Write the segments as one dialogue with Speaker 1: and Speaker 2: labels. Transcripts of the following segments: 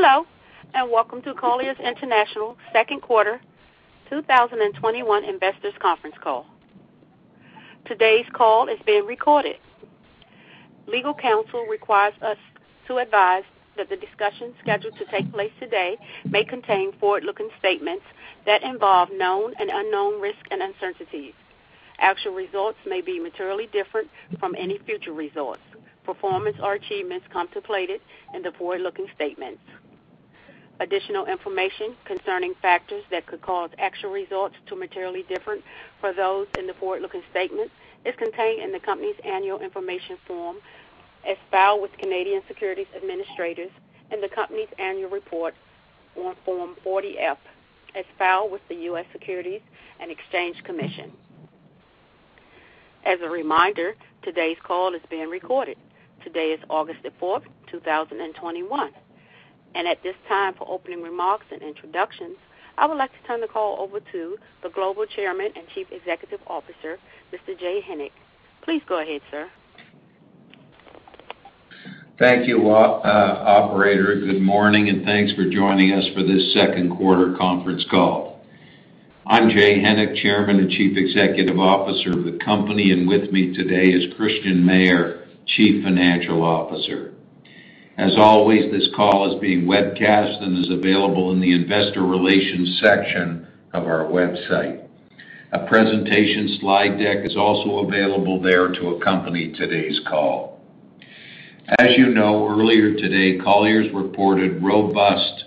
Speaker 1: Hello, and welcome to Colliers International Second Quarter 2021 Investors Conference Call. Today's call is being recorded. Legal counsel requires us to advise that the discussion scheduled to take place today may contain forward-looking statements that involve known and unknown risks and uncertainties. Actual results may be materially different from any future results, performance, or achievements contemplated in the forward-looking statements. Additional information concerning factors that could cause actual results to materially differ for those in the forward-looking statement is contained in the company's annual information form, as filed with Canadian Securities Administrators in the company's annual report on Form 40-F, as filed with the U.S. Securities and Exchange Commission. As a reminder, today's call is being recorded. Today is August 4th, 2021. At this time, for opening remarks and introductions, I would like to turn the call over to the Global Chairman and Chief Executive Officer, Mr. Jay Hennick. Please go ahead, sir.
Speaker 2: Thank you, operator. Good morning, and thanks for joining us for this second quarter conference call. I'm Jay Hennick, Chairman and Chief Executive Officer of the company, and with me today is Christian Mayer, Chief Financial Officer. As always, this call is being webcast and is available in the investor relations section of our website. A presentation slide deck is also available there to accompany today's call. As you know, earlier today, Colliers reported robust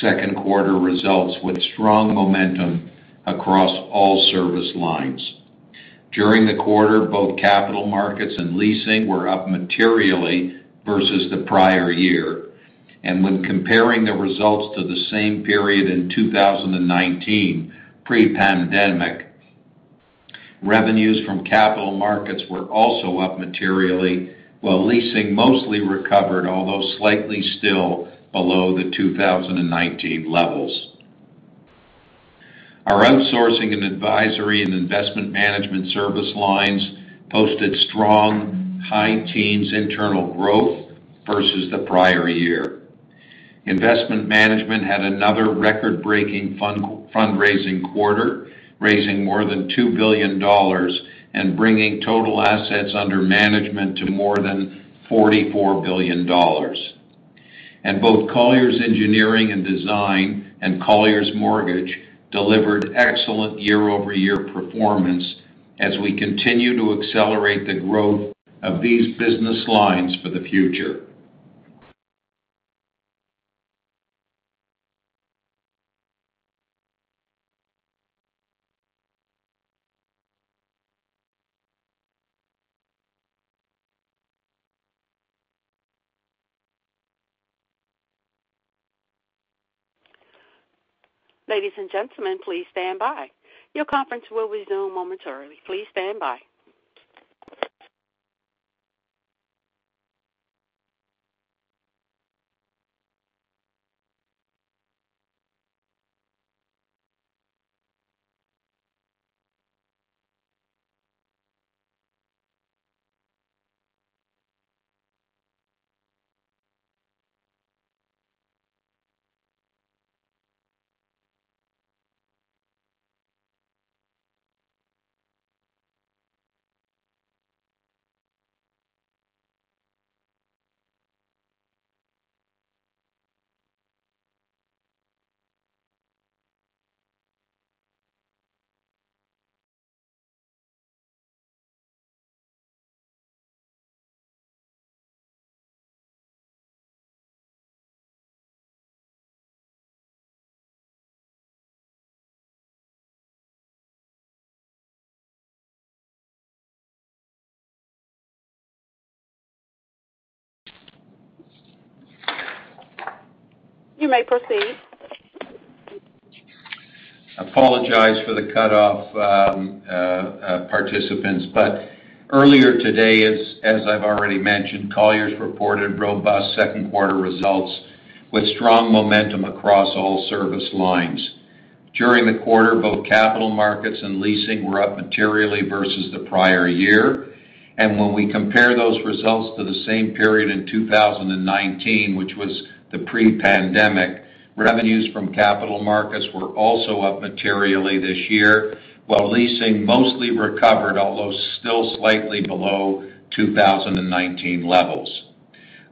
Speaker 2: second quarter results with strong momentum across all service lines. During the quarter, both Capital Markets and leasing were up materially versus the prior year. When comparing the results to the same period in 2019, pre-pandemic, revenues from Capital Markets were also up materially, while leasing mostly recovered, although slightly still below the 2019 levels. Our outsourcing and advisory and Investment Management service lines posted strong high teens internal growth versus the prior year. Investment Management had another record-breaking fundraising quarter, raising more than $2 billion and bringing total assets under management to more than $44 billion. Both Colliers Engineering & Design and Colliers Mortgage delivered excellent year-over-year performance as we continue to accelerate the growth of these business lines for the future.
Speaker 1: Ladies and gentlemen, please stand by. Your conference will resume momentarily. Please stand by. You may proceed.
Speaker 2: Apologize for the cutoff, participants. Earlier today, as I've already mentioned, Colliers reported robust second quarter results with strong momentum across all service lines. During the quarter, both Capital Markets and leasing were up materially versus the prior year. When we compare those results to the same period in 2019, which was the pre-pandemic, revenues from Capital Markets were also up materially this year, while leasing mostly recovered, although still slightly below 2019 levels.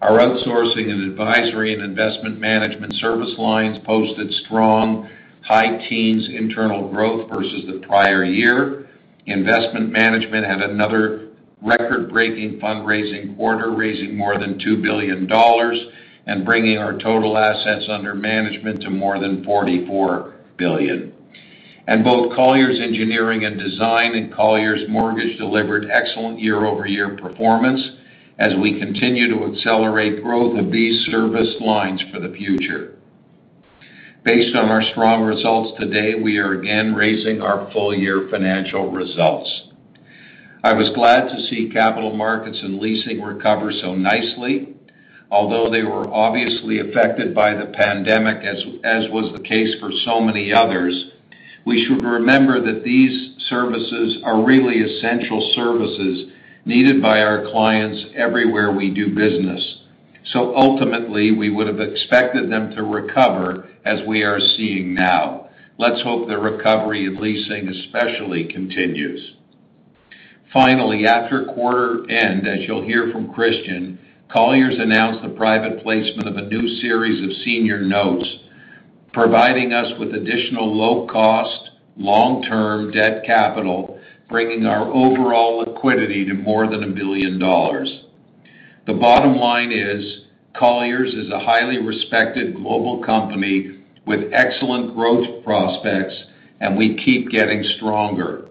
Speaker 2: Our outsourcing and advisory and Investment Management service lines posted strong high teens internal growth versus the prior year. Investment Management had another record-breaking fundraising quarter, raising more than $2 billion and bringing our total assets under management to more than $44 billion. Both Colliers Engineering & Design and Colliers Mortgage delivered excellent year-over-year performance as we continue to accelerate growth of these service lines for the future. Based on our strong results today, we are again raising our full year financial results. I was glad to see Capital Markets and leasing recover so nicely. Although they were obviously affected by the pandemic, as was the case for so many others. We should remember that these services are really essential services needed by our clients everywhere we do business. Ultimately, we would have expected them to recover as we are seeing now. Let's hope the recovery in leasing especially continues. Finally, after quarter end, as you'll hear from Christian, Colliers announced the private placement of a new series of senior notes, providing us with additional low-cost, long-term debt capital, bringing our overall liquidity to more than $1 billion. The bottom line is Colliers is a highly respected global company with excellent growth prospects, and we keep getting stronger.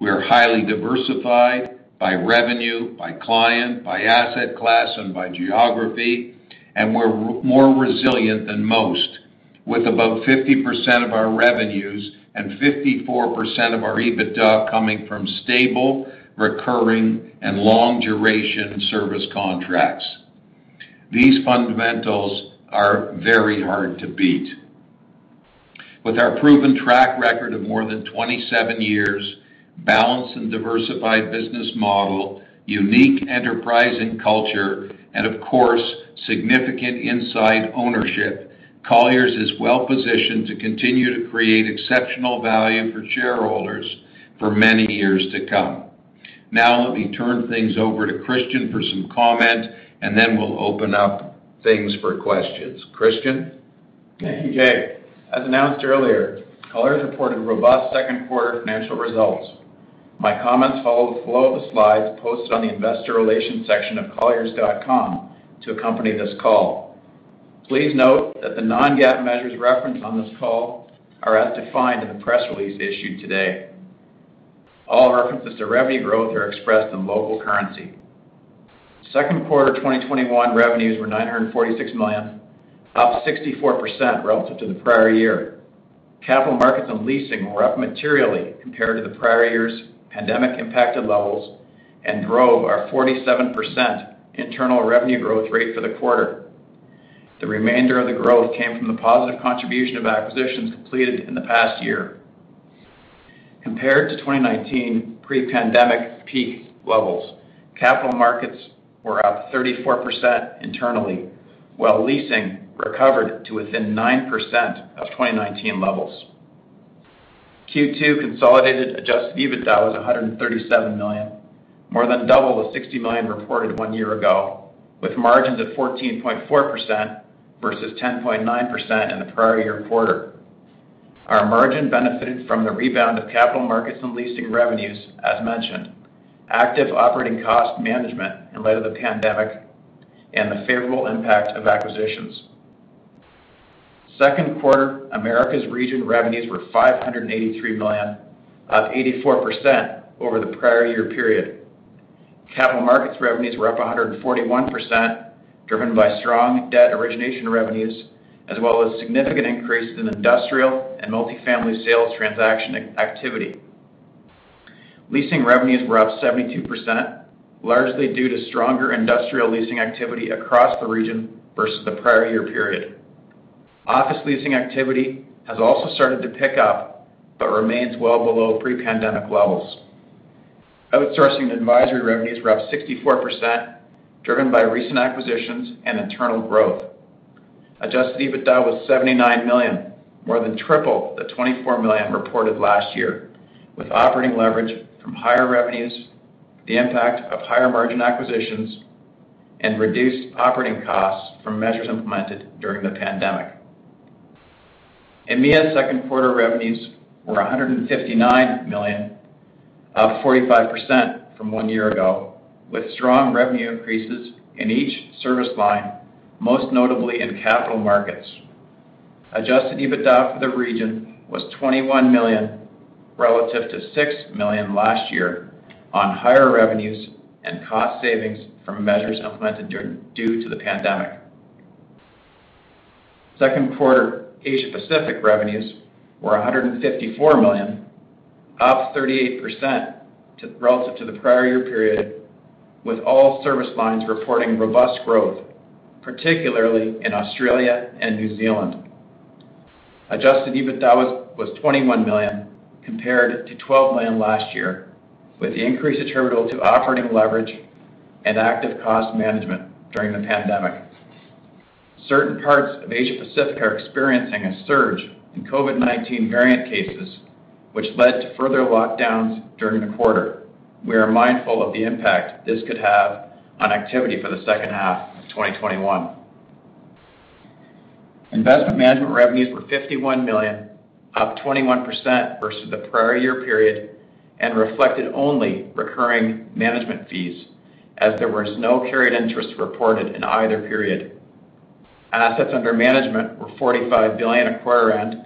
Speaker 2: We are highly diversified by revenue, by client, by asset class, and by geography, and we're more resilient than most, with about 50% of our revenues and 54% of our EBITDA coming from stable, recurring, and long-duration service contracts. These fundamentals are very hard to beat. With our proven track record of more than 27 years, balanced and diversified business model, unique enterprising culture, and of course, significant inside ownership, Colliers is well positioned to continue to create exceptional value for shareholders for many years to come. Now let me turn things over to Christian for some comment, and then we'll open up things for questions. Christian?
Speaker 3: Thank you, Jay. As announced earlier, Colliers reported robust second quarter financial results. My comments follow the flow of the slides posted on the investor relations section of colliers.com to accompany this call. Please note that the non-GAAP measures referenced on this call are as defined in the press release issued today. All references to revenue growth are expressed in local currency. Second quarter 2021 revenues were $946 million, up 64% relative to the prior year. Capital Markets and leasing were up materially compared to the prior year's pandemic-impacted levels and drove our 47% internal revenue growth rate for the quarter. The remainder of the growth came from the positive contribution of acquisitions completed in the past year. Compared to 2019 pre-pandemic peak levels, Capital Markets were up 34% internally, while leasing recovered to within 9% of 2019 levels. Q2 consolidated adjusted EBITDA was $137 million, more than double the $60 million reported one year ago, with margins of 14.4% versus 10.9% in the prior year quarter. Our margin benefited from the rebound of Capital Markets and leasing revenues, as mentioned, active operating cost management in light of the pandemic, and the favorable impact of acquisitions. Second quarter Americas region revenues were $583 million, up 84% over the prior year period. Capital Markets revenues were up 141%, driven by strong debt origination revenues, as well as significant increase in industrial and multifamily sales transaction activity. Leasing revenues were up 72%, largely due to stronger industrial leasing activity across the region versus the prior year period. Office leasing activity has also started to pick up but remains well below pre-pandemic levels. Outsourcing advisory revenues were up 64%, driven by recent acquisitions and internal growth. Adjusted EBITDA was $79 million, more than triple the $24 million reported last year, with operating leverage from higher revenues, the impact of higher margin acquisitions, and reduced operating costs from measures implemented during the pandemic. EMEA second quarter revenues were $159 million, up 45% from one year ago, with strong revenue increases in each service line, most notably in Capital Markets. Adjusted EBITDA for the region was $21 million relative to $6 million last year on higher revenues and cost savings from measures implemented due to the pandemic. Second quarter Asia Pacific revenues were $154 million, up 38% relative to the prior year period, with all service lines reporting robust growth, particularly in Australia and New Zealand. Adjusted EBITDA was $21 million compared to $12 million last year, with the increase attributable to operating leverage and active cost management during the pandemic. Certain parts of Asia Pacific are experiencing a surge in COVID-19 variant cases, which led to further lockdowns during the quarter. We are mindful of the impact this could have on activity for the second half of 2021. Investment Management revenues were $51 million, up 21% versus the prior year period, and reflected only recurring management fees, as there was no carried interest reported in either period. Assets under management were $45 billion at quarter end,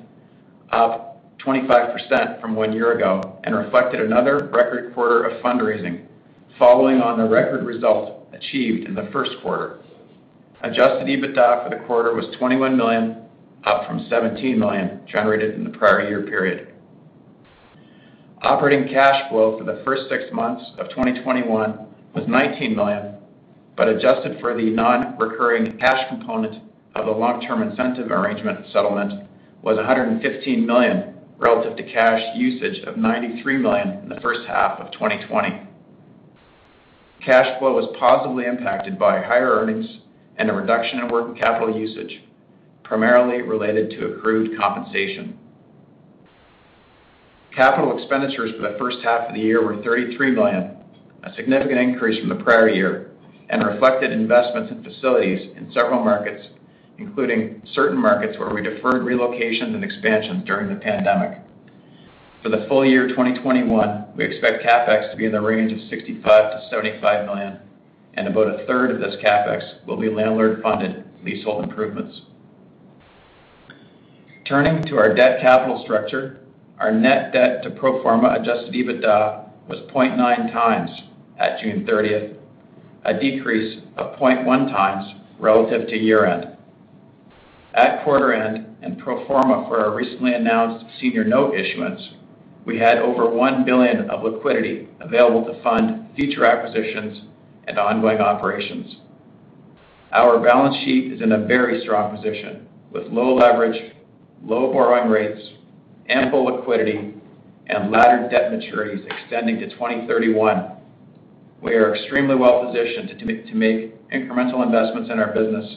Speaker 3: up 25% from one year ago, and reflected another record quarter of fundraising following on the record results achieved in the first quarter. Adjusted EBITDA for the quarter was $21 million, up from $17 million generated in the prior year period. Operating cash flow for the first six months of 2021 was $19 million, but adjusted for the non-recurring cash component of a long-term incentive arrangement settlement was $115 million, relative to cash usage of $93 million in the first half of 2020. Cash flow was positively impacted by higher earnings and a reduction in working capital usage, primarily related to accrued compensation. Capital expenditures for the first half of the year were $33 million, a significant increase from the prior year, and reflected investments in facilities in several markets, including certain markets where we deferred relocations and expansions during the pandemic. For the full year 2021, we expect CapEx to be in the range of $65 million-$75 million, and about a third of this CapEx will be landlord-funded leasehold improvements. Turning to our debt capital structure, our net debt to pro forma adjusted EBITDA was 0.9x at June 30th, a decrease of 0.1x relative to year-end. At quarter end, and pro forma for our recently announced senior note issuance, we had over $1 billion of liquidity available to fund future acquisitions and ongoing operations. Our balance sheet is in a very strong position with low leverage, low borrowing rates, ample liquidity, and laddered debt maturities extending to 2031. We are extremely well-positioned to make incremental investments in our business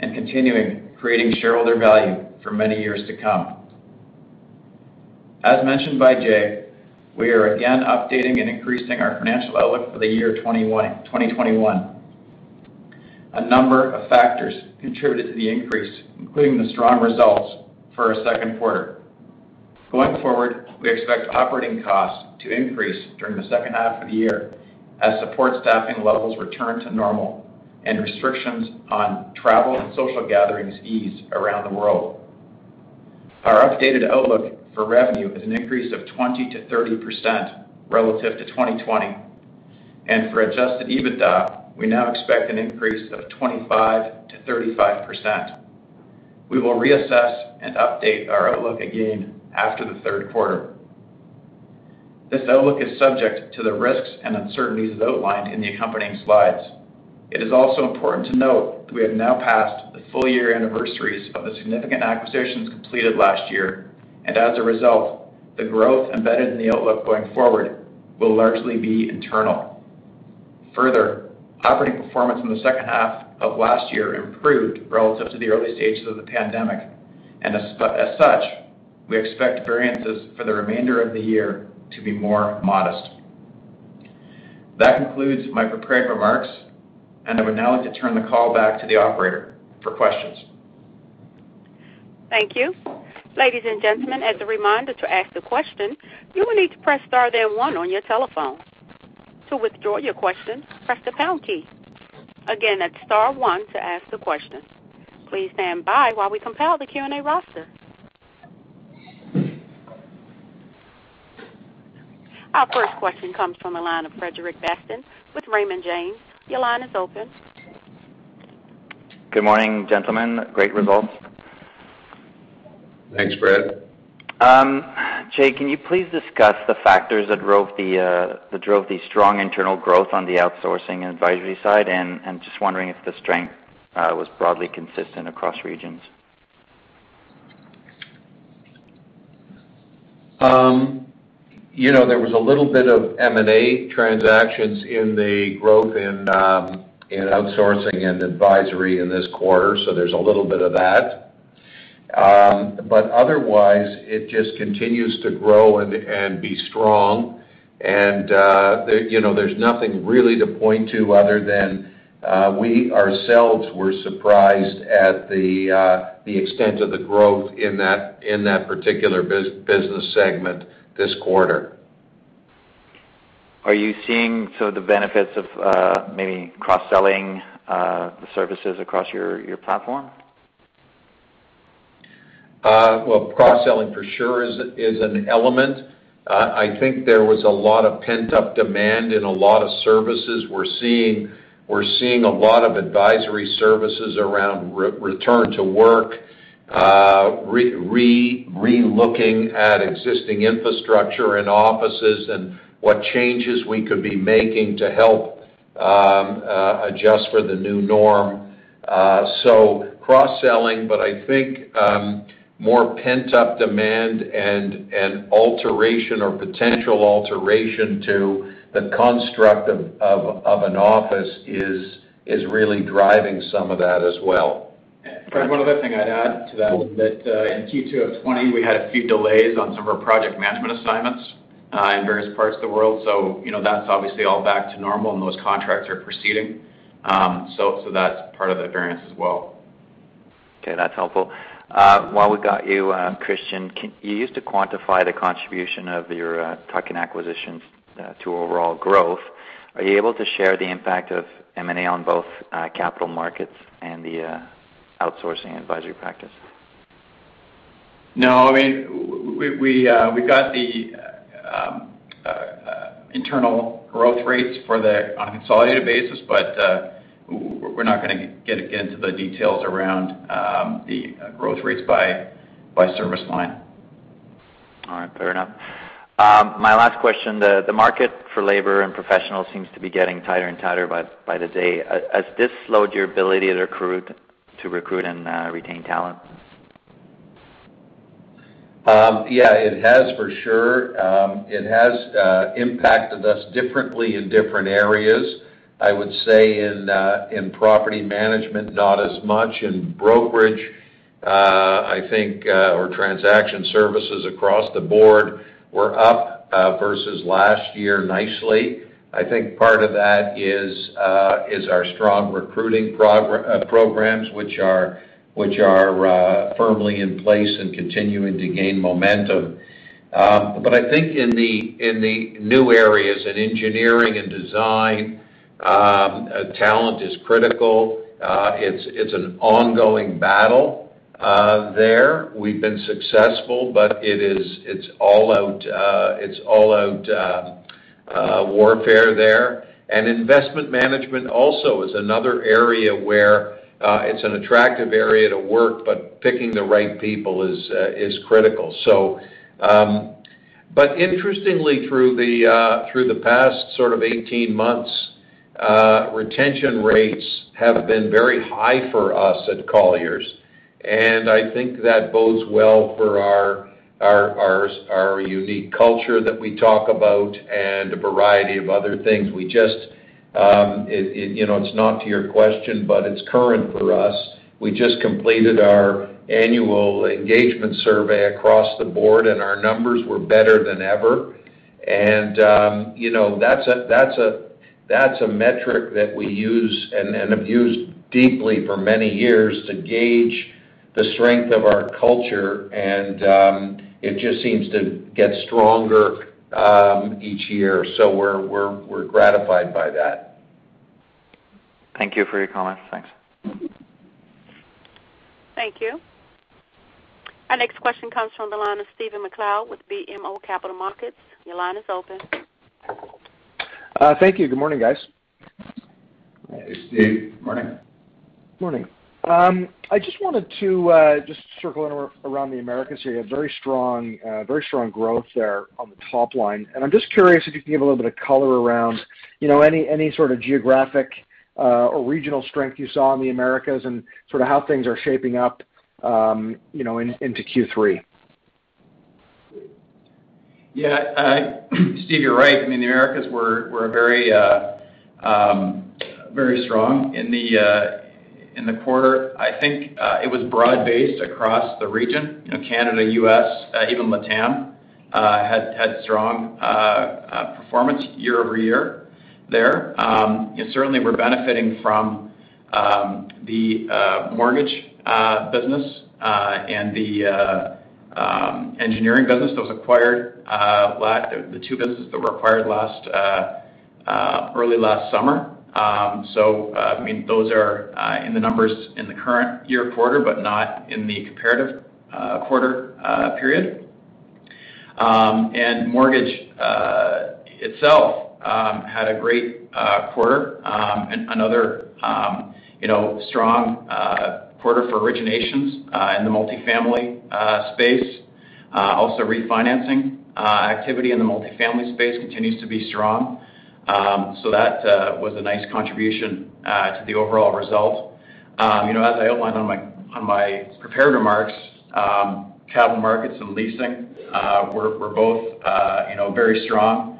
Speaker 3: and continuing creating shareholder value for many years to come. As mentioned by Jay, we are again updating and increasing our financial outlook for the year 2021. A number of factors contributed to the increase, including the strong results for our second quarter. Going forward, we expect operating costs to increase during the second half of the year as support staffing levels return to normal and restrictions on travel and social gatherings ease around the world. Our updated outlook for revenue is an increase of 20%-30% relative to 2020. For adjusted EBITDA, we now expect an increase of 25%-35%. We will reassess and update our outlook again after the third quarter. This outlook is subject to the risks and uncertainties outlined in the accompanying slides. It is also important to note that we have now passed the full-year anniversaries of the significant acquisitions completed last year, and as a result, the growth embedded in the outlook going forward will largely be internal. Operating performance in the second half of last year improved relative to the early stages of the pandemic, and as such, we expect variances for the remainder of the year to be more modest. That concludes my prepared remarks, and I would now like to turn the call back to the operator for questions.
Speaker 1: Thank you. Ladies and gentlemen, as a reminder, to ask the question, you will need to press star, then one on your telephone. To withdraw your question, press the pound key. Again, that's star one to ask the question. Please stand by while we compile the Q&A roster. Our first question comes from the line of Frederic Bastien with Raymond James. Your line is open.
Speaker 4: Good morning, gentlemen. Great results.
Speaker 2: Thanks, Fred.
Speaker 4: Jay, can you please discuss the factors that drove the strong internal growth on the outsourcing and advisory side? Just wondering if the strength was broadly consistent across regions.
Speaker 2: There was a little bit of M&A transactions in the growth in outsourcing and advisory in this quarter, so there's a little bit of that. Otherwise, it just continues to grow and be strong. There's nothing really to point to other than we ourselves were surprised at the extent of the growth in that particular business segment this quarter.
Speaker 4: Are you seeing some of the benefits of maybe cross-selling the services across your platform?
Speaker 2: Well, cross-selling for sure is an element. I think there was a lot of pent-up demand in a lot of services. We're seeing a lot of advisory services around return to work, re-looking at existing infrastructure and offices, and what changes we could be making to help adjust for the new norm. Cross-selling, but I think more pent-up demand and alteration or potential alteration to the construct of an office is really driving some of that as well.
Speaker 3: Fred, one other thing I'd add to that is that in Q2 of 2020, we had a few delays on some of our project management assignments in various parts of the world. That's obviously all back to normal and those contracts are proceeding. That's part of the variance as well.
Speaker 4: Okay. That's helpful. While we've got you, Christian, you used to quantify the contribution of your tuck-in acquisitions to overall growth. Are you able to share the impact of M&A on both Capital Markets and the outsourcing advisory practice?
Speaker 3: No. We got the internal growth rates for the consolidated basis, but we're not going to get into the details around the growth rates by service line.
Speaker 4: All right. Fair enough. My last question, the market for labor and professionals seems to be getting tighter and tighter by the day. Has this slowed your ability to recruit and retain talent?
Speaker 2: Yeah, it has for sure. It has impacted us differently in different areas. I would say in property management, not as much. In brokerage, I think our transaction services across the board were up versus last year nicely. I think part of that is our strong recruiting programs, which are firmly in place and continuing to gain momentum. I think in the new areas, in engineering and design, talent is critical. It's an ongoing battle there. We've been successful, but it's all-out warfare there. Investment Management also is another area where it's an attractive area to work, but picking the right people is critical. Interestingly, through the past 18 months, retention rates have been very high for us at Colliers. I think that bodes well for our unique culture that we talk about and a variety of other things. It's not to your question, but it's current for us. We just completed our annual engagement survey across the board, and our numbers were better than ever. That's a metric that we use and have used deeply for many years to gauge the strength of our culture, and it just seems to get stronger each year. We're gratified by that.
Speaker 4: Thank you for your comments. Thanks.
Speaker 1: Thank you. Our next question comes from the line of Stephen MacLeod with BMO Capital Markets. Your line is open.
Speaker 5: Thank you. Good morning, guys.
Speaker 2: Hey, Steve. Morning.
Speaker 5: Morning. I just wanted to circle around the Americas here. Very strong growth there on the top line. I'm just curious if you can give a little bit of color around any sort of geographic or regional strength you saw in the Americas and sort of how things are shaping up into Q3.
Speaker 3: Steve, you're right. I mean, the Americas were very strong in the quarter. I think it was broad-based across the region. Canada, U.S., even LATAM had strong performance year-over-year there. Certainly, we're benefiting from the mortgage business and the engineering business, the two businesses that were acquired early last summer. Those are in the numbers in the current year quarter, but not in the comparative quarter period. Mortgage itself had a great quarter. Another strong quarter for originations in the multifamily space. Also refinancing activity in the multifamily space continues to be strong. That was a nice contribution to the overall result. As I outlined on my prepared remarks, Capital Markets and leasing were both very strong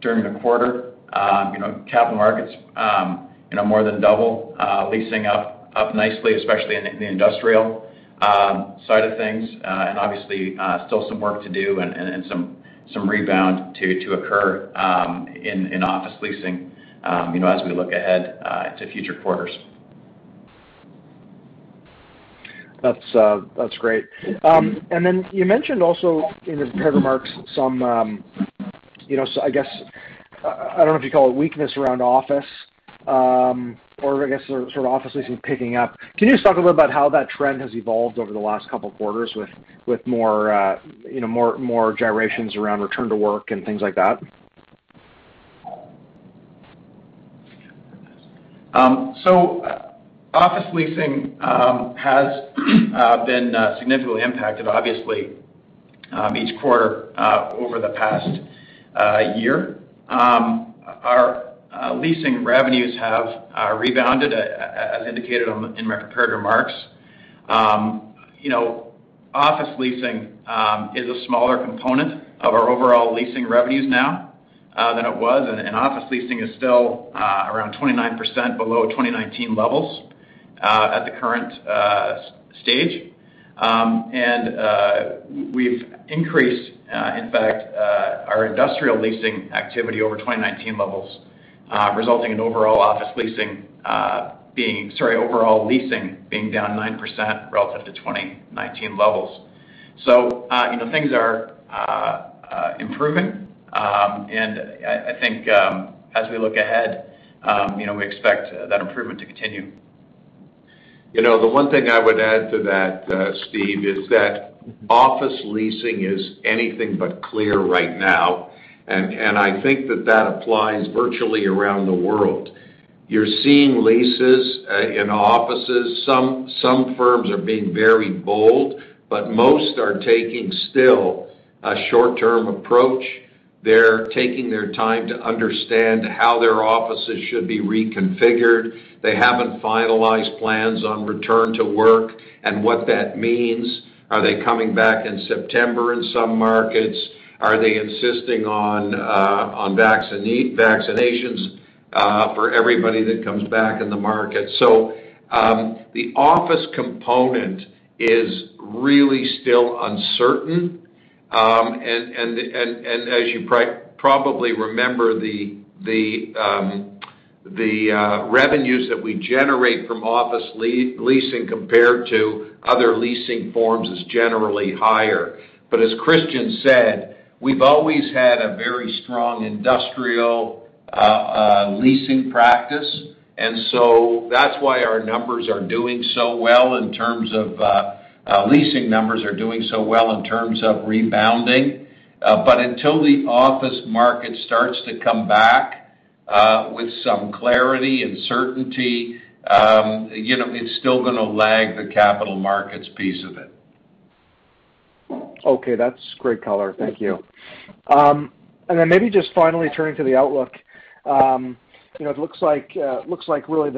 Speaker 3: during the quarter. Capital Markets more than double. Leasing up nicely, especially in the industrial side of things. Obviously, still some work to do and some rebound to occur in office leasing as we look ahead to future quarters.
Speaker 5: That's great. Then you mentioned also in the prepared remarks some, I guess, I don't know if you'd call it weakness around office or I guess sort of office leasing picking up. Can you just talk a little about how that trend has evolved over the last couple of quarters with more gyrations around return to work and things like that?
Speaker 3: Office leasing has been significantly impacted, obviously, each quarter over the past year. Our leasing revenues have rebounded, as indicated in my prepared remarks. Office leasing is a smaller component of our overall leasing revenues now than it was, and office leasing is still around 29% below 2019 levels at the current stage. We've increased, in fact, our industrial leasing activity over 2019 levels, resulting in overall leasing being down 9% relative to 2019 levels. Things are improving, and I think as we look ahead we expect that improvement to continue.
Speaker 2: The one thing I would add to that, Steve, is that office leasing is anything but clear right now, and I think that that applies virtually around the world. You're seeing leases in offices. Some firms are being very bold, but most are taking still a short-term approach. They're taking their time to understand how their offices should be reconfigured. They haven't finalized plans on return to work and what that means. Are they coming back in September in some markets? Are they insisting on vaccinations for everybody that comes back in the market? The office component is really still uncertain. As you probably remember, the revenues that we generate from office leasing compared to other leasing forms is generally higher. As Christian Mayer said, we've always had a very strong industrial leasing practice. That's why our leasing numbers are doing so well in terms of rebounding. Until the office market starts to come back with some clarity and certainty, it's still going to lag the Capital Markets piece of it.
Speaker 5: Okay. That's great color. Thank you. Then maybe just finally turning to the outlook. It looks like, really,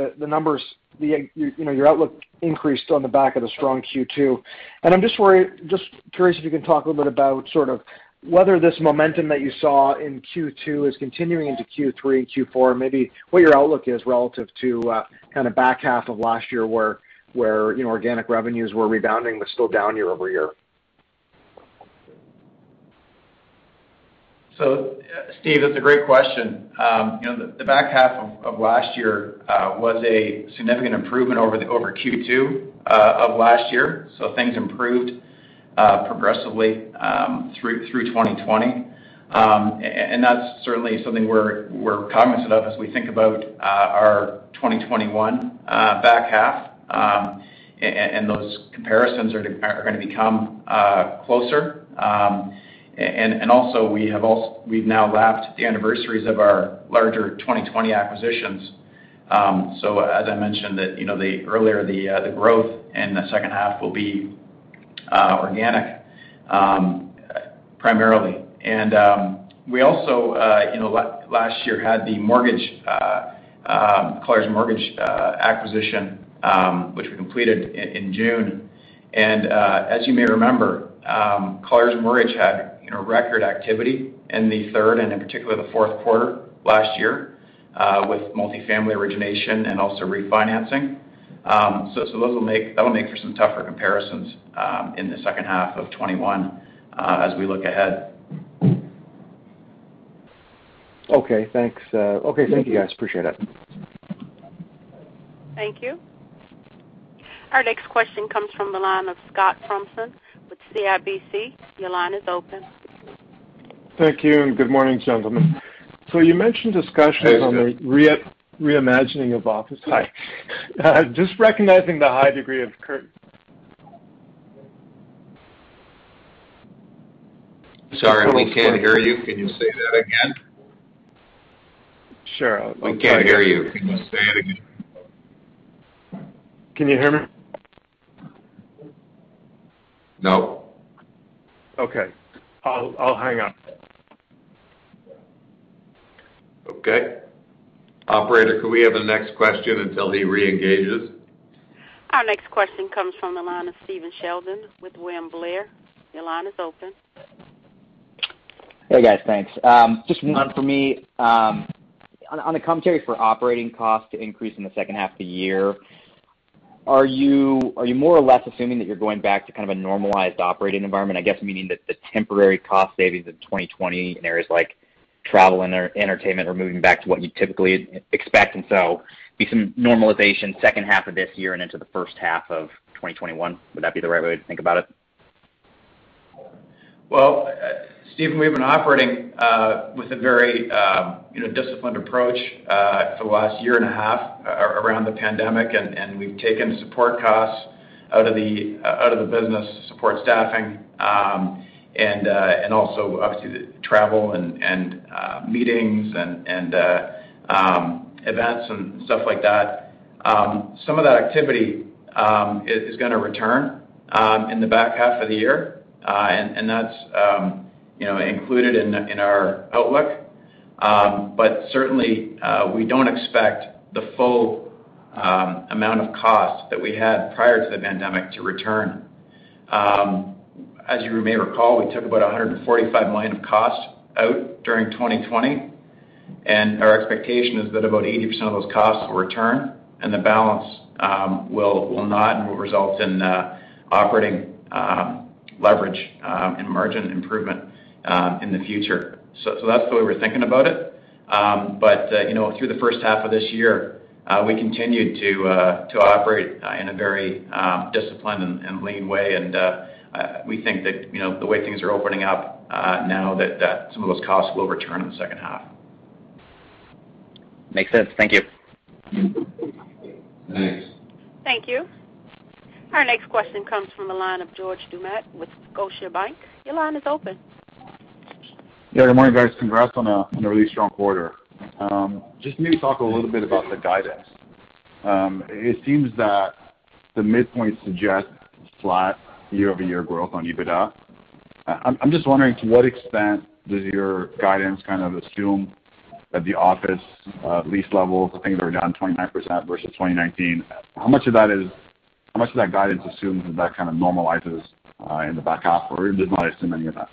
Speaker 5: your outlook increased on the back of the strong Q2. I'm just curious if you can talk a little bit about sort of whether this momentum that you saw in Q2 is continuing into Q3, Q4, maybe what your outlook is relative to kind of back half of last year, where organic revenues were rebounding, but still down year-over-year.
Speaker 3: Steve, that's a great question. The back half of last year was a significant improvement over Q2 of last year. Things improved progressively through 2020. That's certainly something we're cognizant of as we think about our 2021 back half, and those comparisons are going to become closer. Also, we've now lapped the anniversaries of our larger 2020 acquisitions. As I mentioned earlier, the growth in the second half will be organic primarily. We also, last year, had the Colliers Mortgage acquisition, which we completed in June. As you may remember Colliers Mortgage had record activity in the third and in particular the fourth quarter last year with multifamily origination and also refinancing. That'll make for some tougher comparisons in the second half of 2021 as we look ahead.
Speaker 5: Okay. Thanks. Okay. Thank you, guys. Appreciate it.
Speaker 1: Thank you. Our next question comes from the line of Scott Fromson with CIBC. Your line is open.
Speaker 6: Thank you, and good morning, gentlemen. you mentioned discussions-
Speaker 2: Hey, Scott.
Speaker 6: on the re-imagining of office. Hi. Just recognizing the high degree of [inaudible]
Speaker 2: Sorry, we can't hear you. Can you say that again?
Speaker 6: Sure.
Speaker 2: We can't hear you. Can you say it again?
Speaker 6: Can you hear me?
Speaker 2: No.
Speaker 6: Okay. I'll hang up.
Speaker 2: Okay. Operator, could we have the next question until he reengages?
Speaker 1: Our next question comes from the line of Stephen Sheldon with William Blair. Your line is open.
Speaker 7: Hey, guys. Thanks. Just one for me. On the commentary for operating cost increase in the second half of the year, are you more or less assuming that you're going back to kind of a normalized operating environment, I guess, meaning that the temporary cost savings of 2020 in areas like travel and entertainment are moving back to what you typically expect, and so be some normalization second half of this year and into the first half of 2021? Would that be the right way to think about it?
Speaker 3: Well, Stephen, we've been operating with a very disciplined approach for the last year and a half around the pandemic, we've taken support costs out of the business, support staffing, and also obviously the travel and meetings and events and stuff like that. Some of that activity is going to return in the back half of the year. That's included in our outlook. Certainly, we don't expect the full amount of costs that we had prior to the pandemic to return. As you may recall, we took about $145 million of costs out during 2020, our expectation is that about 80% of those costs will return, the balance will not and will result in operating leverage and margin improvement in the future. That's the way we're thinking about it. Through the first half of this year, we continued to operate in a very disciplined and lean way, and we think that the way things are opening up now that some of those costs will return in the second half.
Speaker 7: Makes sense. Thank you.
Speaker 3: Thanks.
Speaker 1: Thank you. Our next question comes from the line of George Doumet with Scotiabank. Your line is open.
Speaker 8: Yeah. Good morning, guys. Congrats on a really strong quarter. Maybe talk a little bit about the guidance. It seems that the midpoint suggests flat year-over-year growth on EBITDA. I'm just wondering, to what extent does your guidance kind of assume that the office lease levels, I think they were down 29% versus 2019. How much of that guidance assumes that that kind of normalizes in the back half, or did not assume any of that?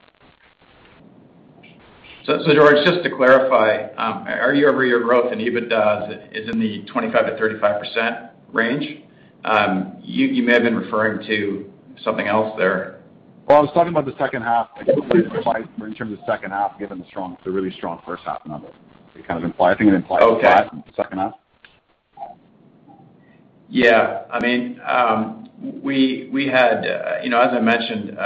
Speaker 3: George, just to clarify, our year-over-year growth in EBITDA is in the 25%-35% range. You may have been referring to something else there.
Speaker 8: Well, I was talking about the second half. I guess what I was implying in terms of second half, given the really strong first half numbers. Do you kind of imply? I think it implies.
Speaker 3: Okay
Speaker 8: second half.
Speaker 3: As I mentioned,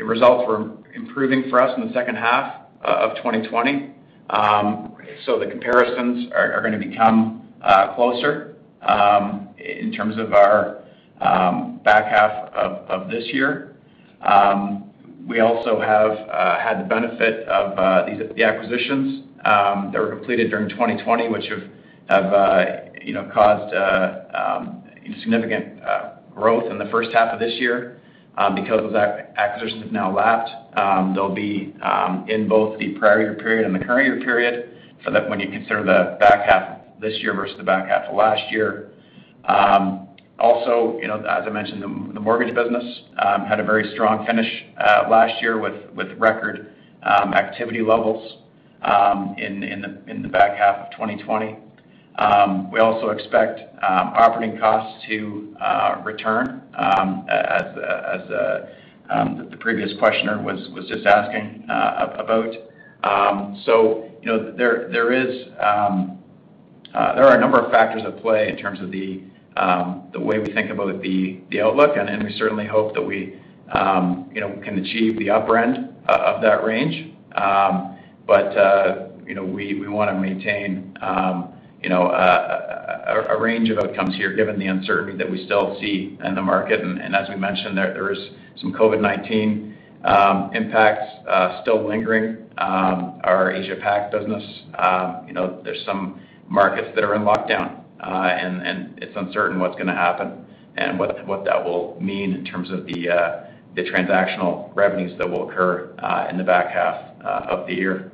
Speaker 3: results were improving for us in the second half of 2020. The comparisons are going to become closer in terms of our back half of this year. We also have had the benefit of the acquisitions that were completed during 2020, which have caused significant growth in the first half of this year. Those acquisitions have now lapsed, they'll be in both the prior year period and the current year period, so that when you consider the back half of this year versus the back half of last year. As I mentioned, the mortgage business had a very strong finish last year with record activity levels in the back half of 2020. We also expect operating costs to return, as the previous questioner was just asking about. There are a number of factors at play in terms of the way we think about the outlook. We certainly hope that we can achieve the upper end of that range. We want to maintain a range of outcomes here, given the uncertainty that we still see in the market. As we mentioned, there is some COVID-19 impacts still lingering. Our Asia-Pac business, there is some markets that are in lockdown. It is uncertain what is going to happen and what that will mean in terms of the transactional revenues that will occur in the back half of the year.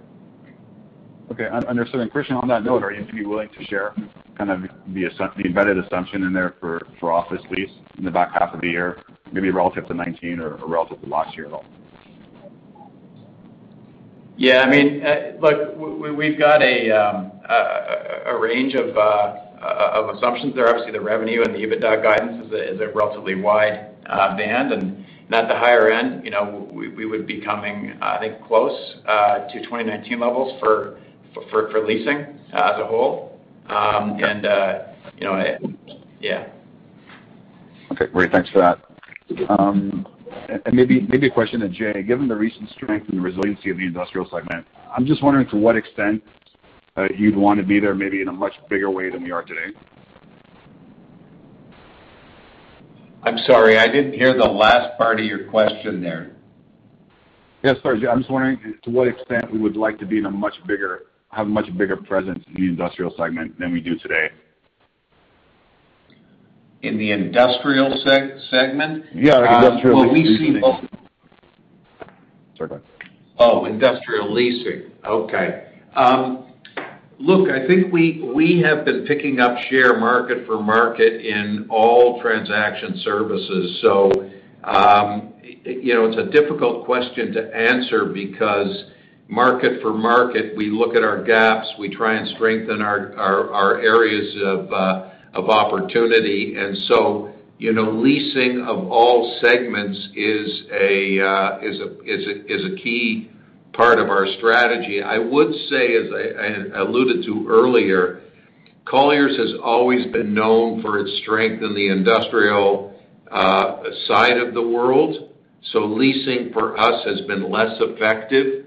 Speaker 8: Okay. Understood. Christian, on that note, are you willing to share kind of the embedded assumption in there for office lease in the back half of the year, maybe relative to 2019 or relative to last year at all?
Speaker 3: Yeah. Look, we've got a range of assumptions there. Obviously, the revenue and the EBITDA guidance is a relatively wide band. At the higher end, we would be coming, I think, close to 2019 levels for leasing as a whole. Yeah.
Speaker 8: Okay, great. Thanks for that. Maybe a question to Jay. Given the recent strength and the resiliency of the industrial segment, I'm just wondering to what extent you'd want to be there, maybe in a much bigger way than we are today.
Speaker 2: I'm sorry, I didn't hear the last part of your question there.
Speaker 8: Sorry. I'm just wondering to what extent we would like to have a much bigger presence in the industrial segment than we do today?
Speaker 2: In the industrial segment?
Speaker 8: Yeah, industrial leasing.
Speaker 2: Well, we.
Speaker 8: Sorry about that.
Speaker 2: Oh, industrial leasing. Okay. Look, I think we have been picking up share market for market in all transaction services. It's a difficult question to answer because market for market, we look at our gaps, we try and strengthen our areas of opportunity. Leasing of all segments is a key part of our strategy. I would say, as I alluded to earlier, Colliers has always been known for its strength in the industrial side of the world. Leasing for us has been less effective.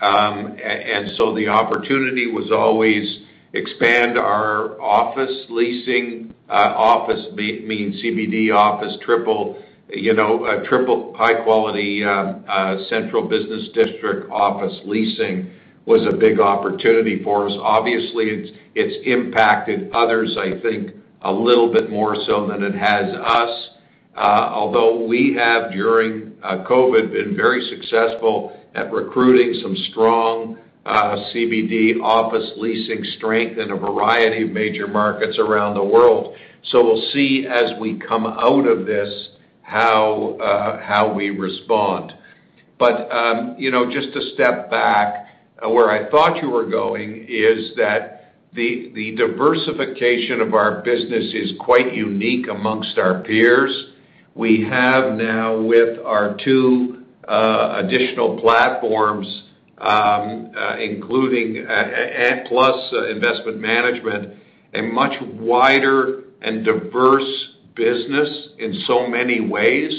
Speaker 2: The opportunity was always expand our office leasing. Office means CBD office triple, high quality, central business district office leasing was a big opportunity for us. Obviously, it's impacted others, I think, a little bit more so than it has us. Although we have, during COVID, been very successful at recruiting some strong CBD office leasing strength in a variety of major markets around the world. We'll see as we come out of this how we respond. Just to step back, where I thought you were going is that the diversification of our business is quite unique amongst our peers. We have now with our two additional platforms, and plus Investment Management, a much wider and diverse business in so many ways.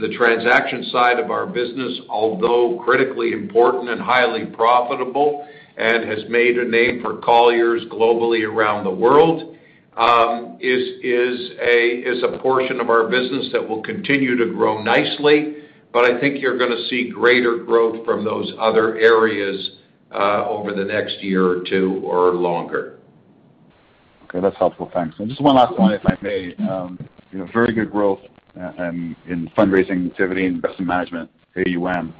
Speaker 2: The transaction side of our business, although critically important and highly profitable, and has made a name for Colliers globally around the world, is a portion of our business that will continue to grow nicely, but I think you're going to see greater growth from those other areas over the next year or two, or longer.
Speaker 8: Okay, that's helpful. Thanks. Just one last one, if I may. Very good growth in fundraising activity, Investment Management, AUM.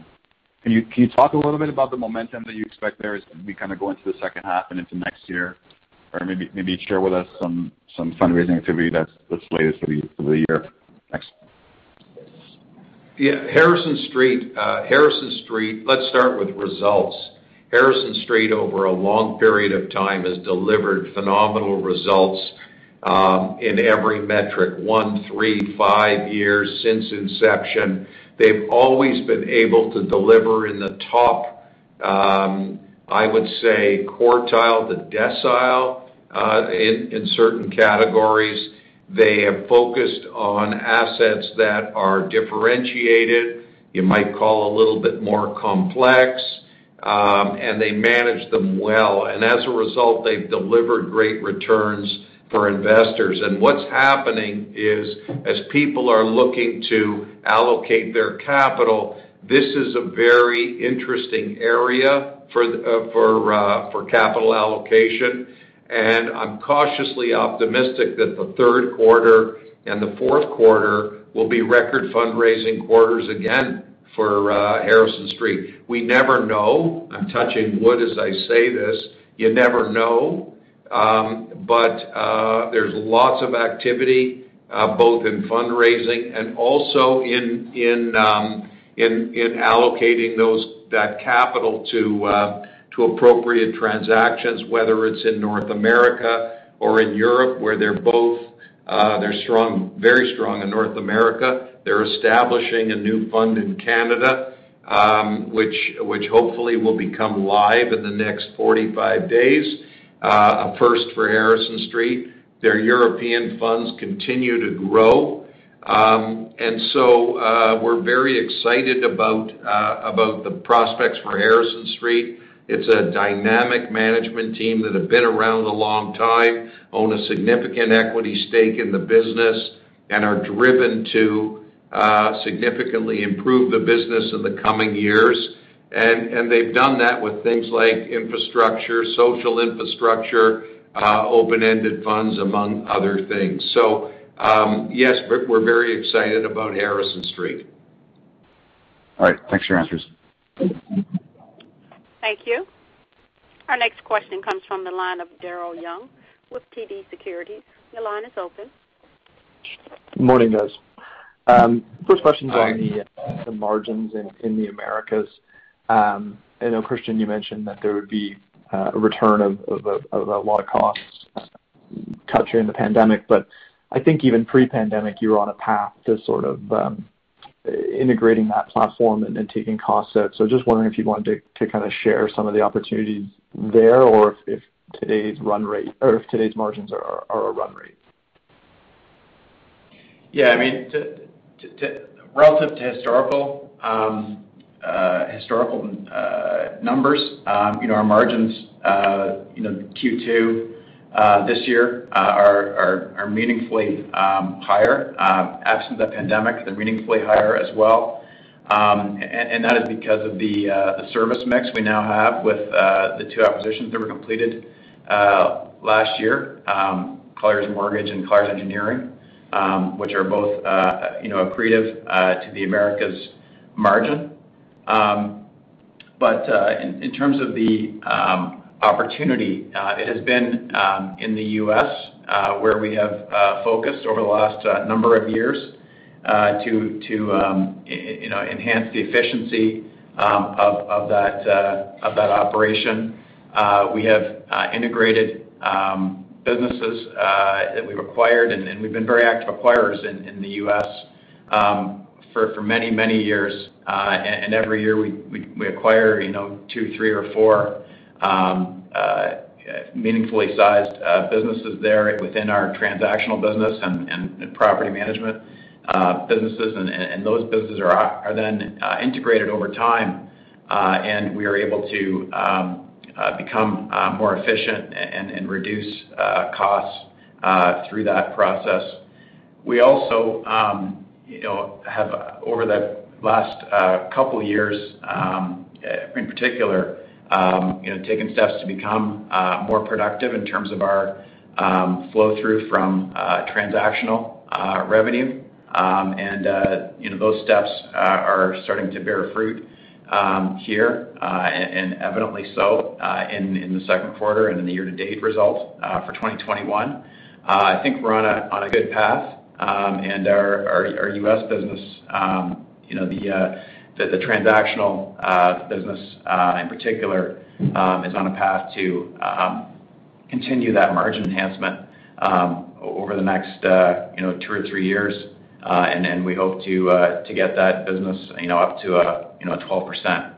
Speaker 8: Can you talk a little bit about the momentum that you expect there as we go into the second half and into next year? Maybe share with us some fundraising activity that's latest for the year. Thanks.
Speaker 2: Yeah. Harrison Street, let's start with results. Harrison Street, over a long period of time, has delivered phenomenal results in every metric, one, three, five years since inception. They've always been able to deliver in the top, I would say quartile to decile, in certain categories. They have focused on assets that are differentiated, you might call a little bit more complex, and they manage them well. As a result, they've delivered great returns for investors. What's happening is, as people are looking to allocate their capital, this is a very interesting area for capital allocation. I'm cautiously optimistic that the third quarter and the fourth quarter will be record fundraising quarters again for Harrison Street. We never know. I'm touching wood as I say this. You never know. There's lots of activity, both in fundraising and also in allocating that capital to appropriate transactions, whether it's in North America or in Europe, where they're very strong in North America. They're establishing a new fund in Canada, which hopefully will become live in the next 45 days. A first for Harrison Street. Their European funds continue to grow. We're very excited about the prospects for Harrison Street. It's a dynamic management team that have been around a long time, own a significant equity stake in the business, and are driven to significantly improve the business in the coming years. They've done that with things like infrastructure, social infrastructure, open-ended funds, among other things. Yes, we're very excited about Harrison Street.
Speaker 8: All right. Thanks for your answers.
Speaker 1: Thank you. Our next question comes from the line of Daryl Young with TD Securities.
Speaker 9: Morning, guys. First question. [inaudible] the margins in the Americas. I know, Christian, you mentioned that there would be a return of a lot of costs cut during the pandemic, but I think even pre-pandemic, you were on a path to sort of integrating that platform and then taking costs out. Just wondering if you wanted to share some of the opportunities there, or if today's margins are a run rate.
Speaker 3: Relative to historical numbers, our margins, Q2 this year, are meaningfully higher. Absent the pandemic, they're meaningfully higher as well. That is because of the service mix we now have with the two acquisitions that were completed last year, Colliers Mortgage and Colliers Engineering, which are both accretive to the Americas margin. In terms of the opportunity, it has been in the U.S. where we have focused over the last number of years to enhance the efficiency of that operation. We have integrated businesses that we've acquired, and we've been very active acquirers in the U.S. for many, many years. Every year, we acquire two, three, or four meaningfully sized businesses there within our transactional business and property management businesses. Those businesses are then integrated over time. We are able to become more efficient and reduce costs through that process. We also have, over the last couple years in particular, taken steps to become more productive in terms of our flow-through from transactional revenue. Those steps are starting to bear fruit here, and evidently so in the second quarter and in the year-to-date results for 2021. I think we're on a good path. Our U.S. business, the transactional business in particular, is on a path to continue that margin enhancement over the next two or three years. We hope to get that business up to a 12%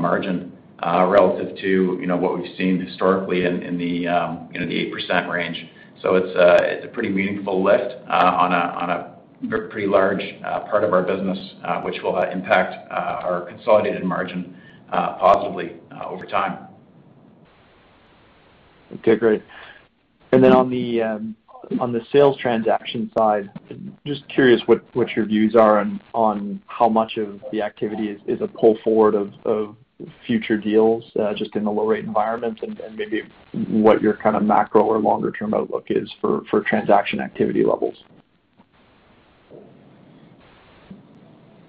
Speaker 3: margin relative to what we've seen historically in the 8% range. It's a pretty meaningful lift on a pretty large part of our business, which will impact our consolidated margin positively over time.
Speaker 9: Okay, great. On the sales transaction side, just curious what your views are on how much of the activity is a pull forward of future deals just in the low rate environment and maybe what your kind of macro or longer-term outlook is for transaction activity levels?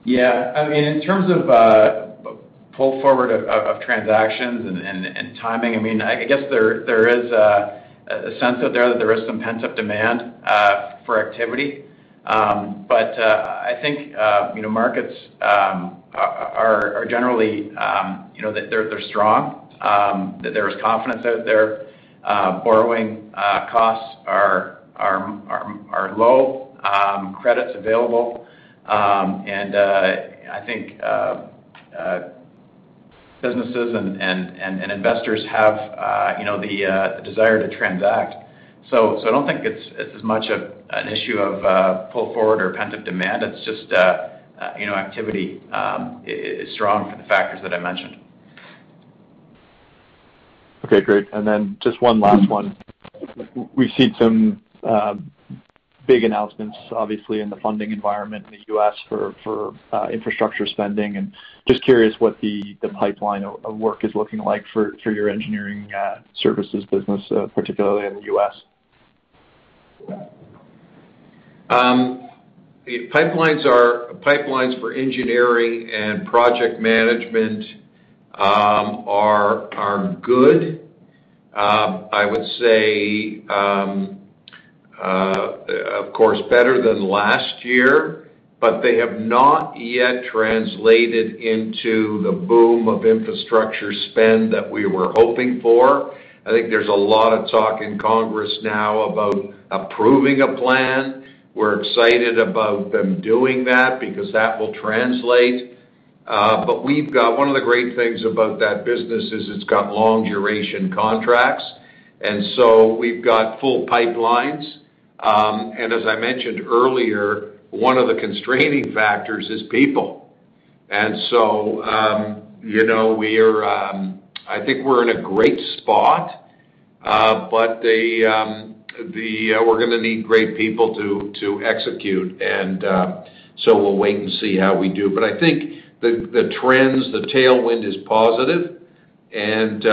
Speaker 3: Yeah. In terms of pull forward of transactions and timing, I guess there is a sense out there that there is some pent-up demand for activity. I think markets are generally strong, that there is confidence out there. Borrowing costs are low, credit's available. I think businesses and investors have the desire to transact. I don't think it's as much of an issue of pull forward or pent-up demand. It's just activity is strong for the factors that I mentioned.
Speaker 9: Okay, great. Just one last one. We've seen some big announcements, obviously, in the funding environment in the U.S. for infrastructure spending. Just curious what the pipeline of work is looking like for your engineering services business, particularly in the U.S.?
Speaker 2: The pipelines for engineering and project management are good. I would say, of course, better than last year, but they have not yet translated into the boom of infrastructure spend that we were hoping for. I think there's a lot of talk in Congress now about approving a plan. We're excited about them doing that because that will translate. One of the great things about that business is it's got long-duration contracts, and so we've got full pipelines. As I mentioned earlier, one of the constraining factors is people. So I think we're in a great spot. We're going to need great people to execute. So we'll wait and see how we do. I think the trends, the tailwind is positive, and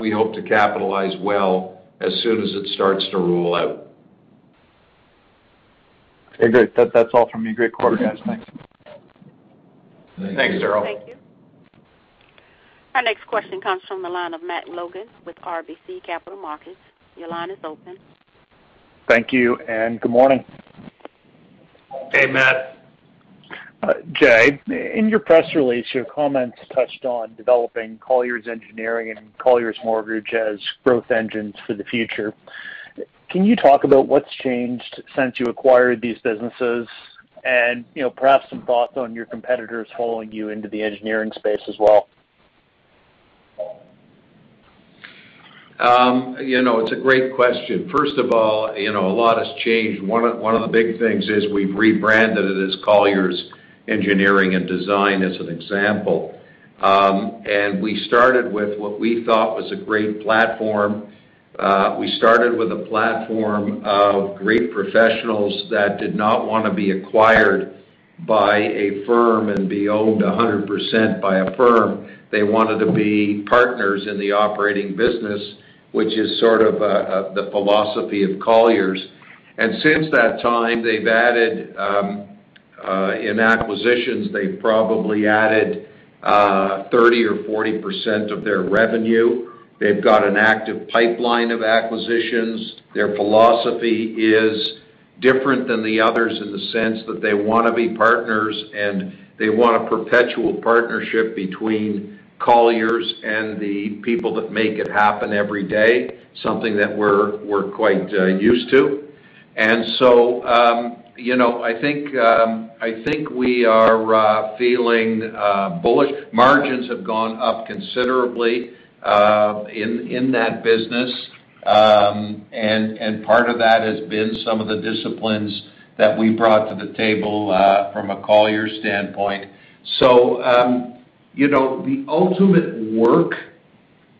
Speaker 2: we hope to capitalize well as soon as it starts to roll out.
Speaker 9: Okay, great. That's all from me. Great quarter, guys. Thanks.
Speaker 2: Thanks, Daryl.
Speaker 1: Thank you. Our next question comes from the line of Matt Logan with RBC Capital Markets. Your line is open.
Speaker 10: Thank you, and good morning.
Speaker 2: Hey, Matt.
Speaker 10: Jay, in your press release, your comments touched on developing Colliers Engineering and Colliers Mortgage as growth engines for the future. Can you talk about what's changed since you acquired these businesses and perhaps some thoughts on your competitors following you into the engineering space as well?
Speaker 2: It's a great question. First of all, a lot has changed. One of the big things is we've rebranded it as Colliers Engineering & Design, as an example. We started with what we thought was a great platform. We started with a platform of great professionals that did not want to be acquired by a firm and be owned 100% by a firm. They wanted to be partners in the operating business, which is sort of the philosophy of Colliers. Since that time, in acquisitions, they've probably added 30% or 40% of their revenue. They've got an active pipeline of acquisitions. Their philosophy is different than the others in the sense that they want to be partners, and they want a perpetual partnership between Colliers and the people that make it happen every day, something that we're quite used to. I think we are feeling bullish. Margins have gone up considerably in that business. Part of that has been some of the disciplines that we brought to the table from a Colliers standpoint. The ultimate work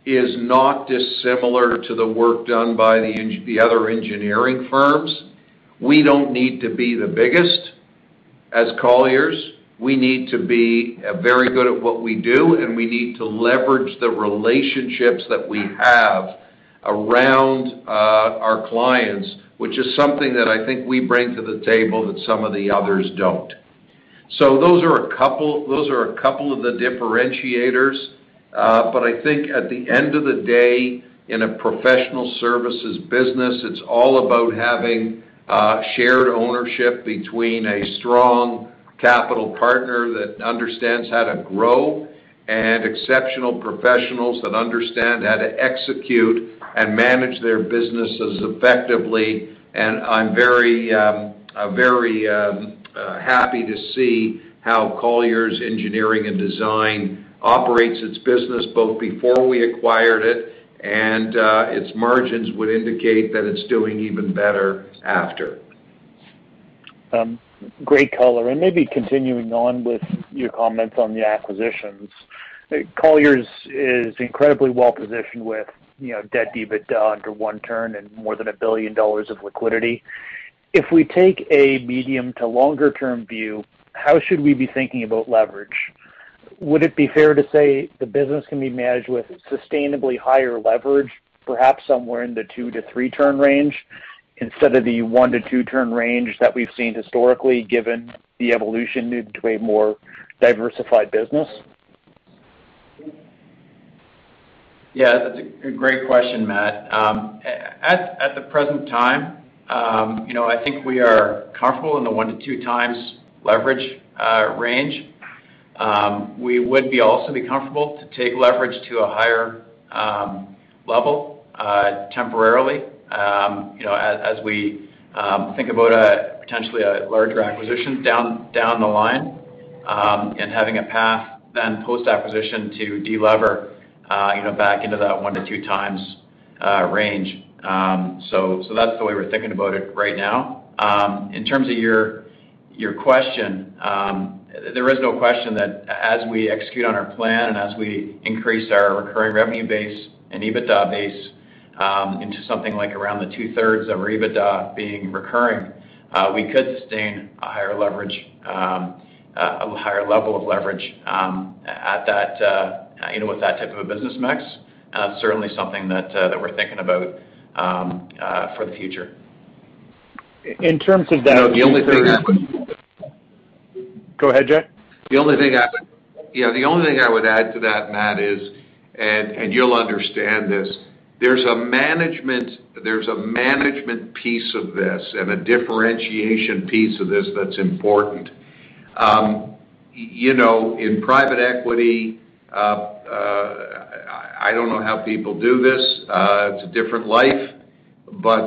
Speaker 2: is not dissimilar to the work done by the other engineering firms. We don't need to be the biggest as Colliers. We need to be very good at what we do, and we need to leverage the relationships that we have around our clients, which is something that I think we bring to the table that some of the others don't. Those are a couple of the differentiators. I think at the end of the day, in a professional services business, it's all about having shared ownership between a strong capital partner that understands how to grow and exceptional professionals that understand how to execute and manage their businesses effectively. I'm very happy to see how Colliers Engineering & Design operates its business both before we acquired it, and its margins would indicate that it's doing even better after.
Speaker 10: Great color. Maybe continuing on with your comments on the acquisitions. Colliers is incredibly well-positioned with debt EBITDA under one turn and more than $1 billion of liquidity. If we take a medium to longer term view, how should we be thinking about leverage? Would it be fair to say the business can be managed with sustainably higher leverage, perhaps somewhere in the two to three turn range instead of the one to two turn range that we've seen historically, given the evolution into a more diversified business?
Speaker 3: Yeah. That's a great question, Matt. At the present time, I think we are comfortable in the 1-2x leverage range. We would also be comfortable to take leverage to a higher level temporarily as we think about potentially a larger acquisition down the line, and having a path then post-acquisition to de-lever back into that 1-2x times range. That's the way we're thinking about it right now. In terms of your question, there is no question that as we execute on our plan and as we increase our recurring revenue base and EBITDA base into something like around the 2/3 of our EBITDA being recurring, we could sustain a higher level of leverage with that type of a business mix. Certainly something that we're thinking about for the future.
Speaker 10: In terms of that.
Speaker 2: The only thing-
Speaker 10: Go ahead, Jay.
Speaker 2: The only thing I would add to that, Matt, is, and you'll understand this, there's a management piece of this and a differentiation piece of this that's important. In private equity, I don't know how people do this. It's a different life.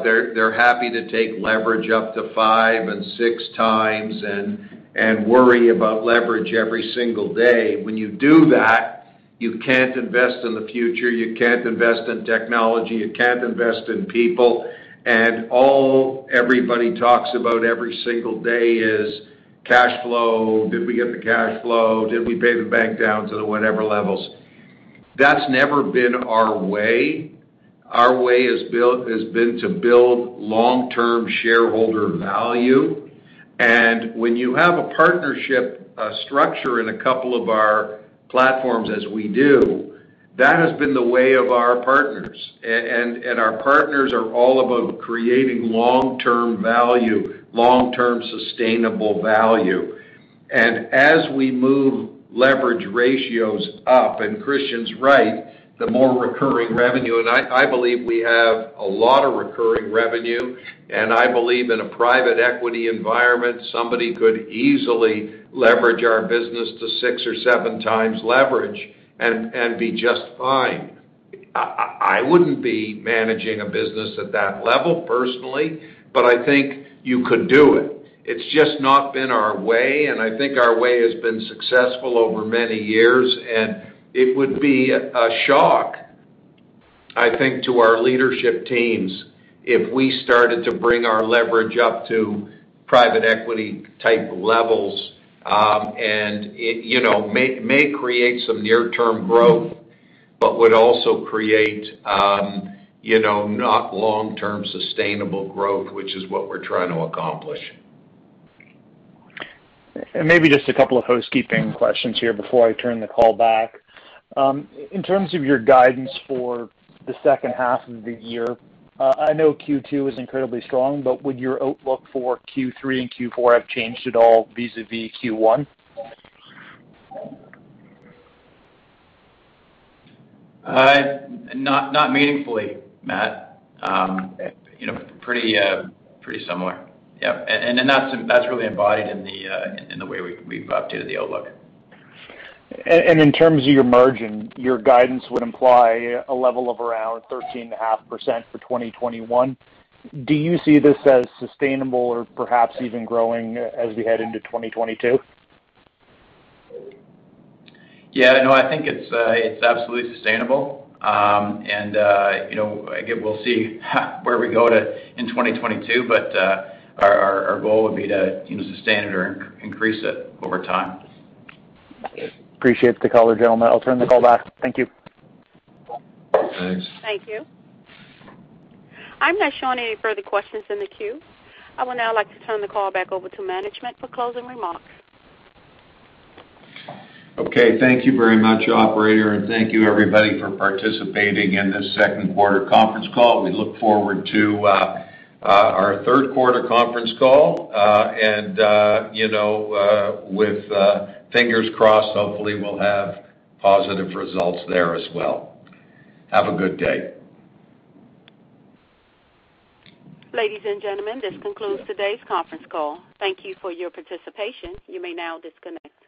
Speaker 2: They're happy to take leverage up to five and six times and worry about leverage every single day. When you do that, you can't invest in the future, you can't invest in technology, you can't invest in people. All everybody talks about every single day is cash flow. Did we get the cash flow? Did we pay the bank down to the whatever levels? That's never been our way. Our way has been to build long-term shareholder value. When you have a partnership structure in a couple of our platforms as we do, that has been the way of our partners. Our partners are all about creating long-term value, long-term sustainable value. As we move leverage ratios up, and Christian's right, the more recurring revenue, and I believe we have a lot of recurring revenue, and I believe in a private equity environment, somebody could easily leverage our business to 6 or 7x leverage and be just fine. I wouldn't be managing a business at that level personally, but I think you could do it. It's just not been our way, and I think our way has been successful over many years, and it would be a shock, I think, to our leadership teams if we started to bring our leverage up to private equity type levels. It may create some near-term growth, but would also create not long-term sustainable growth, which is what we're trying to accomplish.
Speaker 10: Maybe just a couple of housekeeping questions here before I turn the call back. In terms of your guidance for the second half of the year, I know Q2 was incredibly strong, but would your outlook for Q3 and Q4 have changed at all vis-a-vis Q1?
Speaker 3: Not meaningfully, Matt. Pretty similar. Yep. That's really embodied in the way we've updated the outlook.
Speaker 10: In terms of your margin, your guidance would imply a level of around 13.5% for 2021. Do you see this as sustainable or perhaps even growing as we head into 2022?
Speaker 3: Yeah. No, I think it's absolutely sustainable. I guess we'll see where we go in 2022, but our goal would be to sustain it or increase it over time.
Speaker 10: Appreciate the color, gentlemen. I'll turn the call back. Thank you.
Speaker 2: Thanks.
Speaker 1: Thank you. I'm not showing any further questions in the queue. I would now like to turn the call back over to management for closing remarks.
Speaker 2: Okay, thank you very much, operator, thank you everybody for participating in this second quarter conference call. We look forward to our third quarter conference call. With fingers crossed, hopefully we'll have positive results there as well. Have a good day.
Speaker 1: Ladies and gentlemen, this concludes today's conference call. Thank you for your participation. You may now disconnect.